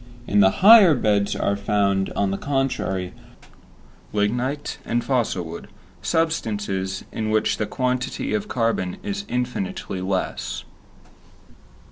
In the higher beds are found, on the contrary, lignite and fossil wood, substances in which the quantity of carbon is infinitely less.